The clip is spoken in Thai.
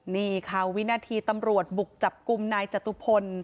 นี่ค่ะวินาทีตำรวจบุกจับกลุ่มนายจตุพล